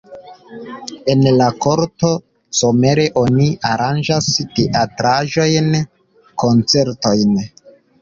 En la korto somere oni aranĝas teatraĵojn, koncertojn.